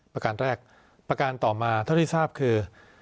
ประการแรกประการต่อมาเท่าที่ทราบคือ